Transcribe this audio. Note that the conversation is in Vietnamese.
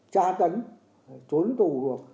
tra tấn trốn tù